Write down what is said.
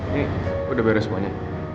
nih udah beres semuanya